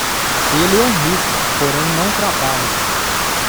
Ele é rico, porém não trabalha.